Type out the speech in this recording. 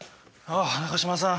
あ中島さん